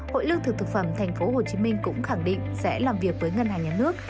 hội lương thực thực phẩm tp hcm cũng khẳng định sẽ làm việc với ngân hàng nhà nước